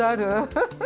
フフフ。